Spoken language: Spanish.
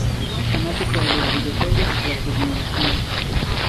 Fanático de los videojuegos y la tecnología.